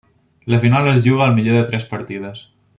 La final es juga al millor de tres partides.